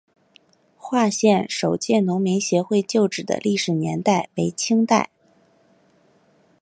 化县首届农民协会旧址的历史年代为清代。